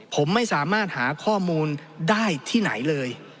ผมไม่สามารถหาข้อมูลได้ที่ไหนเลย